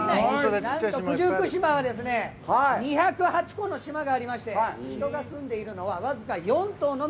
九十九島は２０８もの島がありまして人が住んでいるのは僅か４島のみ。